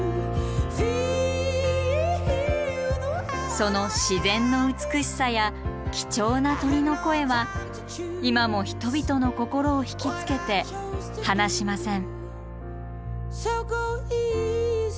その自然の美しさや貴重な鳥の声は今も人々の心を引き付けて放しません。